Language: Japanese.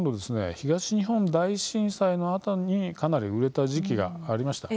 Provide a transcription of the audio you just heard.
東日本大震災のあとにかなり売れた時期がありました。